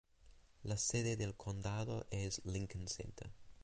La sede del condado es Lincoln Center.